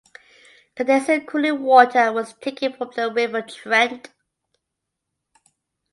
Condenser cooling water was taken from the River Trent.